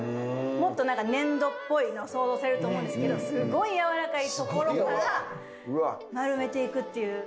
もっと何か粘土っぽいのを想像されると思うんですけどすごい柔らかいところから丸めていくっていう。